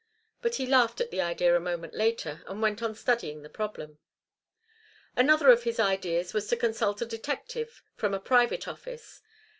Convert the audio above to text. But he laughed at the idea a moment later, and went on studying the problem. Another of his ideas was to consult a detective, from a private office.